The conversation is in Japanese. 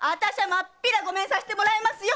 まっぴらご免させてもらいますよ！